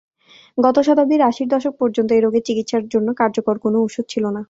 গত শতাব্দীর আশির দশক পর্যন্ত এই রোগের চিকিৎসার জন্য কার্যকর কোনো ঔষধ ছিল না।